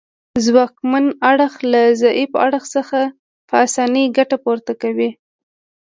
ځواکمن اړخ له ضعیف اړخ څخه په اسانۍ ګټه پورته کوي